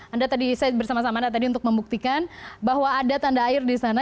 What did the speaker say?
anda tadi saya bersama sama anda tadi untuk membuktikan bahwa ada tanda air di sana